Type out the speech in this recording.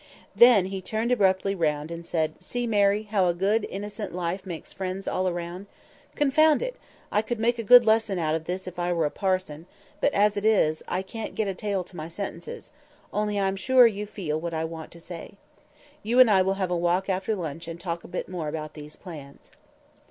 Then he turned abruptly round, and said, "See, Mary, how a good, innocent life makes friends all around. Confound it! I could make a good lesson out of it if I were a parson; but, as it is, I can't get a tail to my sentences—only I'm sure you feel what I want to say. You and I will have a walk after lunch and talk a bit more about these plans."